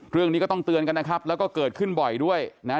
เรื่องนี้ก็ต้องเตือนกันนะครับแล้วก็เกิดขึ้นบ่อยด้วยนะฮะ